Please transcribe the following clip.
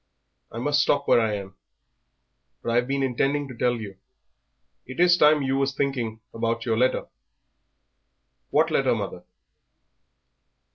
I must stop where I am. But I've been intending to tell you it is time that you was thinking about yer letter." "What letter, mother?"